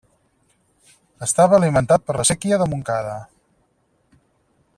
Estava alimentat per la séquia de Montcada.